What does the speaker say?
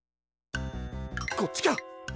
こっちか！